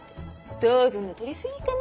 糖分のとりすぎかな。